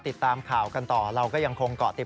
ติดตามข่าวกันต่อเราก็ยังคงเกาะติด